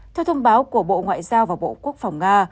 theo thông báo của bộ ngoại giao và bộ quốc phòng nga